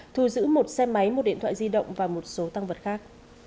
thu giữ một xe máy một điện thoại di động và một số tăng vật khác